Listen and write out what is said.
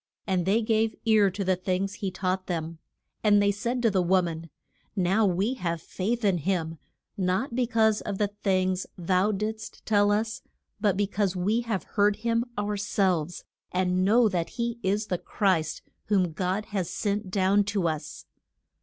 And they gave ear to the things he taught them. And they said to the wo man, Now we have faith in him, not be cause of the things thou didst tell us, but be cause we have heard him our selves, and know that he is the Christ whom God has sent down to us.